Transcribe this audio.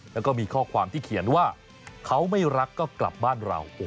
แล้วก็มีข้อความที่เขียนว่าเขาไม่รักก็กลับบ้านเรา